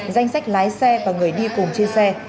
danh sách lái xe và người đi cùng trên xe